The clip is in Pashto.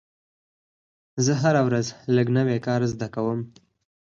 زه هره ورځ لږ نوی کار زده کوم.